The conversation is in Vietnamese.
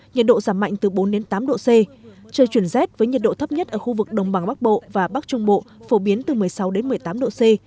nhiệt độ giảm mạnh từ bốn tám độ c trời chuyển rét với nhiệt độ thấp nhất ở khu vực đồng bằng bắc bộ và bắc trung bộ phổ biến từ một mươi sáu đến một mươi tám độ c